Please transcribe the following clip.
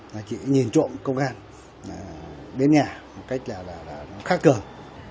là chị nhìn trộm công an đến nhà một cách là nó khác cường